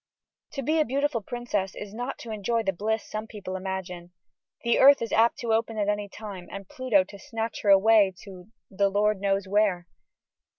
To be a beautiful princess is not to enjoy the bliss some people imagine. The earth is apt to open at any time, and Pluto to snatch her away to the Lord knows where.